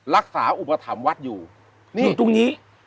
รักษาอุปถัมภ์วัดอยู่อยู่ตรงนี้